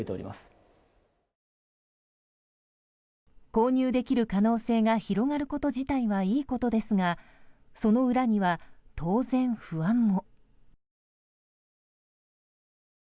購入できる可能性が広がること自体はいいことですがその裏には当然、不安も。